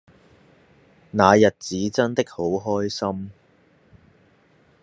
那日子真的好開心